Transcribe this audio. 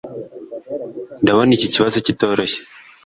ndabona iki kibazo kitoroshye